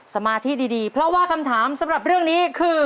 สมาธิดีเพราะว่าคำถามสำหรับเรื่องนี้คือ